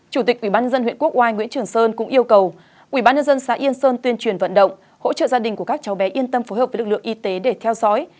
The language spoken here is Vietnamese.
chủ tịch ubnd huyện quốc oai nguyễn trường sơn cũng yêu cầu ubnd xã yên sơn tuyên truyền vận động hỗ trợ gia đình của các cháu bé yên tâm phối hợp với lực lượng y tế để theo dõi